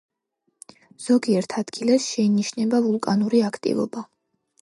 ზოგიერთ ადგილას შეინიშნება ვულკანური აქტივობა.